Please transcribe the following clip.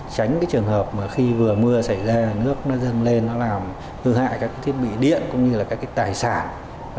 tránh trường hợp khi vừa mưa xảy ra nước dâng lên nó làm hư hại các thiết bị điện cũng như là các tài sản